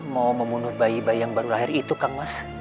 mau membunuh bayi bayi yang baru lahir itu kang mas